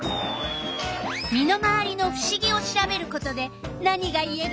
身の回りのふしぎを調べることで何がいえる？